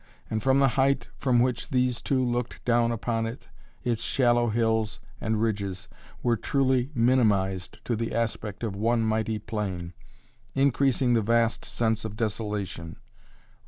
And from the height from which these two looked down upon it, its shallow hills and ridges were truly minimized to the aspect of one mighty plain, increasing the vast sense of desolation.